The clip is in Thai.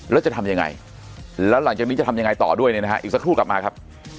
แล้วจะทำยังไงแล้วหลังจากนี้จะทำยังไงต่อด้วยเนี่ยนะฮะอีกสักครู่กลับมาครับ